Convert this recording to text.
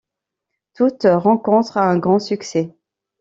Toutes rencontrent un grand succès.